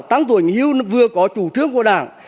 tăng tuổi nghỉ hưu vừa có chủ trương của đảng